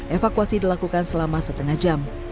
evakuasi dilakukan selama setengah jam